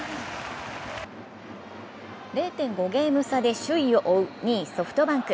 ０．５ゲーム差で首位を追う２位、ソフトバンク。